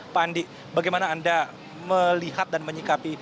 pak andi bagaimana anda melihat dan menyikapi